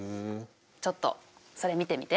ちょっとそれ見てみて。